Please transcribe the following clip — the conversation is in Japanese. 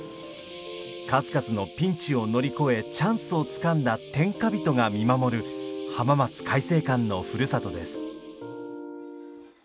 数々のピンチを乗り越えチャンスをつかんだ天下人が見守る浜松開誠館のふるさとです。